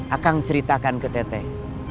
akang ceritakan ke teteh